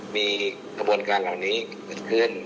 มีกระบวนการเหล่านี้เกิดขึ้น